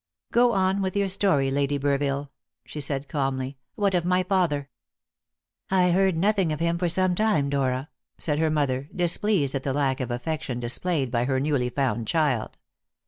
"Go on with your story, Lady Burville," she said calmly. "What of my father?" "I heard nothing of him for some time, Dora," said her mother, displeased at the lack of affection displayed by her newly found child.